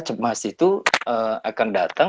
cemas itu akan datang